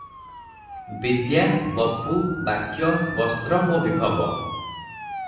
ବିଦ୍ୟା, ବପୁ, ବାକ୍ୟ, ବସ୍ତ୍ର ଓ ବିଭବ ।